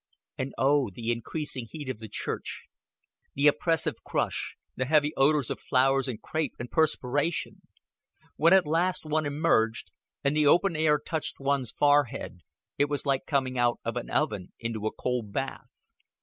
And, oh, the increasing heat of the church, the oppressive crush, the heavy odors of flowers and crape and perspiration! When at last one emerged, and the open air touched one's forehead, it was like coming out of an oven into a cold bath.